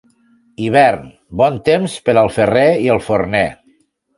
Hivern, bon temps per al ferrer i el forner.